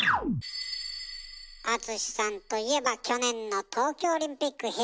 敦さんといえば去年の東京オリンピック